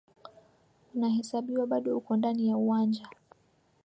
unahesabiwa bado uko ndani ya uwanja